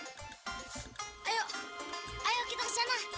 mungkin lima buah biji bijian ini akan membawa kita ke negeri kita lagi